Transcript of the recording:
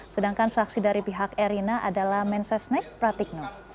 sedangkan saksi dari pihak erina adalah mensesnek pratikno